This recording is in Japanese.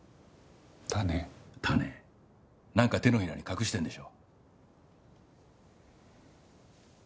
なんか手のひらに隠してんでしょ？